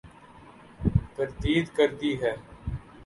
تردید کر دی ہے ۔